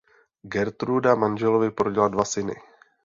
Gertruda manželovi porodila dva syny.